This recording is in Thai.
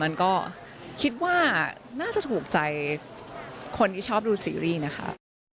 มันก็คิดว่าน่าจะถูกใจคนที่ชอบดูซีรีส์นะคะ